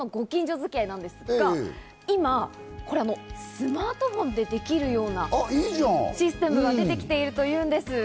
１個なんですね。という、ご近所付き合いですが、今、スマートフォンでできるようなシステムが出てきているというんです。